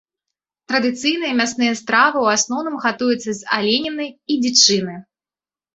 Традыцыйныя мясныя стравы, у асноўным, гатуюцца з аленіны і дзічыны.